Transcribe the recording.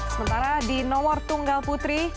sementara di nomor tunggal putri